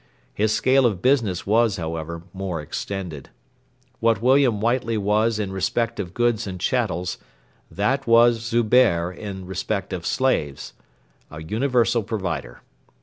His scale of business was, however, more extended. What William Whiteley was in respect of goods and chattels, that was Zubehr in respect of slaves a universal provider.